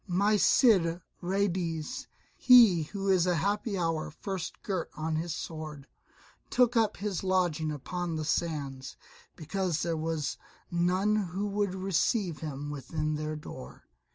My Cid Ruydiez, he who in a happy hour first girt on his sword, took up his lodging upon the sands, because there was none who would receive him within their door.